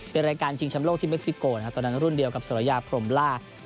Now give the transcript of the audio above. เป็นรายการชิงชำโลกที่เม็กซิโกนะครับตอนนั้นรุ่นเดียวกับสรยาพรมล่า